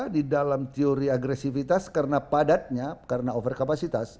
di dalam teori agresivitas karena padatnya karena over kapasitas